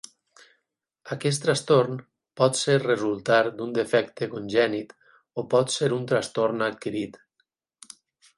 Aquest trastorn pot ser resultar d'un defecte congènit o pot ser un trastorn adquirit.